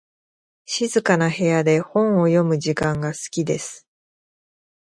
静かな部屋で本を読む時間が好きです。